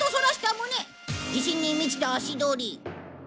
自信に満ちた足取り。